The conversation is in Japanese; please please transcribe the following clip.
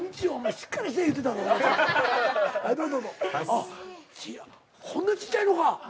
あっこんなちっちゃいのか。